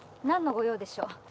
何の御用でしょう？